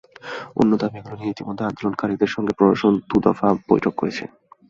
অন্য দাবিগুলো নিয়ে ইতিমধ্যে আন্দোলনকারীদের সঙ্গে প্রশাসন দুই দফা বৈঠক করেছে।